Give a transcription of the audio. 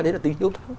đấy là tính hiếu thắng